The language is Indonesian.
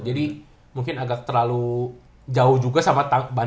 jadi mungkin agak terlalu jauh juga sama banten ya kan